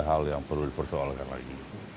hal yang perlu dipersoalkan lagi